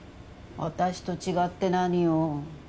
私と違って何よ。